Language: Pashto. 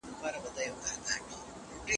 د کروندګرو دعا همېشه د ارغنداب سیند لپاره وي.